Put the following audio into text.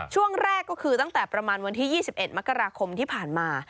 ช่วงแรกก็คือตั้งแต่ประมาณวันที่๒๑มกราคมที่ผ่านมา